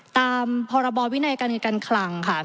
ตามพรบวินัยการเงินการคลังค่ะ